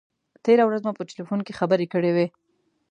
تېره ورځ مو په تیلفون کې خبرې کړې وې.